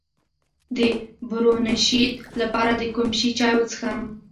د برونشیت لپاره د کوم شي چای وڅښم؟